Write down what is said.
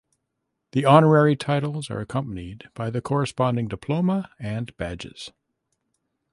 The honorary titles are accompanied by the corresponding diploma and badges.